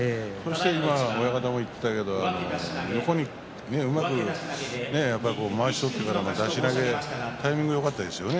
中村親方も言っていたけど横にうまくまわしを取ってからの出し投げタイミングよかったですね。